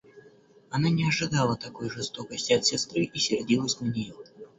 Она не ожидала такой жестокости от сестры и сердилась на нее.